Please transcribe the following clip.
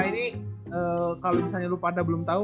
ini kalau misalnya lu pada belum tau